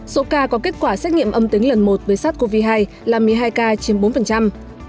số ca có kết quả xét nghiệm âm tính lần một với sars cov hai là một mươi hai ca chiếm bốn